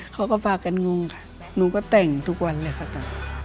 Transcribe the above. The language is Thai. เขาก็พากันงงค่ะหนูก็แต่งทุกวันเลยค่ะจ้ะ